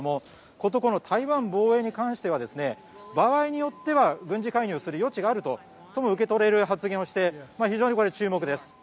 こと台湾防衛に関しては場合によっては軍事介入する余地があるとも受け取れる発言をして非常に注目です。